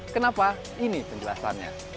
kenapa ini penjelasannya